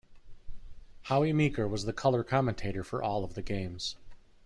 Howie Meeker was the colour commentator for all of the games.